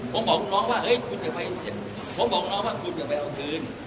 ผมบอกคุณน้องว่าคุณอย่าไปเอาคืน